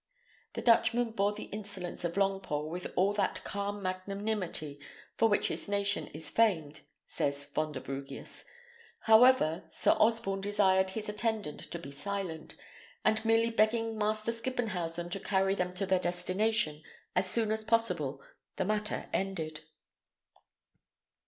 The Dutchman bore the insolence of Longpole with all that calm magnanimity for which his nation is famed (says Vonderbrugius). However, Sir Osborne desired his attendant to be silent, and merely begging Master Skippenhausen to carry them to their destination as soon as possible, the matter ended.